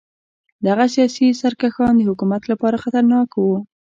دغه سیاسي سرکښان د حکومت لپاره خطرناک وو.